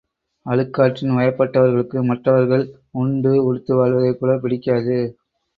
அழுக்காற்றின் வயப்பட்டவர்களுக்கு மற்றவர்கள் உண்டு, உடுத்து வாழ்வதே கூடப் பிடிக்காது!